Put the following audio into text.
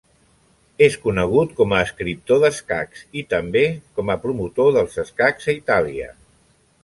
És conegut com a escriptor d'escacs, i també com a promotor dels escacs a Itàlia.